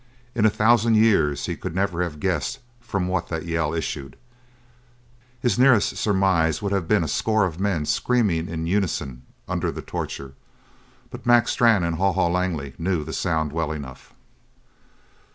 In a thousand years he could never have guessed from what that yell issued; his nearest surmise would have been a score of men screaming in unison under the torture. But Mac Strann and Haw Haw Langley knew the sound well enough.